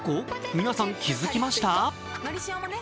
皆さん、気づきました？